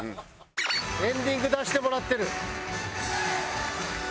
エンディング出してもらってる。